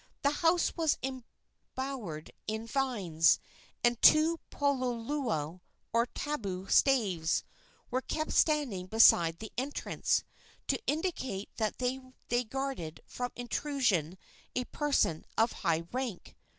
The house was embowered in vines, and two poloulou, or tabu staves, were kept standing beside the entrance, to indicate that they guarded from intrusion a person of high rank.